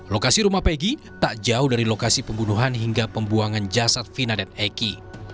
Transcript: lokasi rumah peggy tak jauh dari lokasi pembunuhan hingga pembuangan jasad fina dan eki